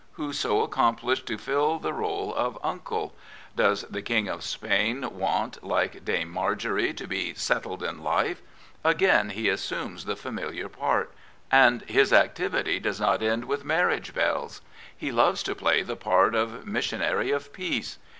Who so accomplished to fill the rble of uncle? Does the King of Spain want, jjtoJQSajne, to be " settled in life "? Again he assumes the familiar part. And his activity does not end with marriage bells. He loves to ]^y*the part of missionary of peace.